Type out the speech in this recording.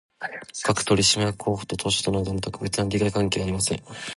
各取締役候補と当社との間には、特別な利害関係はありません